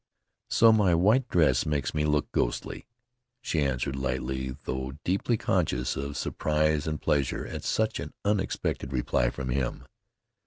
"So my white dress makes me look ghostly," she answered lightly, though deeply conscious of surprise and pleasure at such an unexpected reply from him.